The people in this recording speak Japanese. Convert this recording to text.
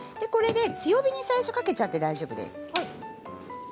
これで強火に最初かけちゃって大丈夫です。